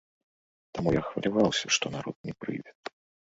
Таму, я хваляваўся, што народ не прыйдзе.